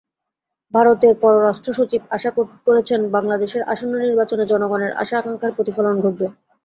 ভারতের পররাষ্ট্রসচিব আশা প্রকাশ করেছেন বাংলাদেশের আসন্ন নির্বাচনে জনগণের আশা-আকাঙ্ক্ষার প্রতিফলন ঘটবে।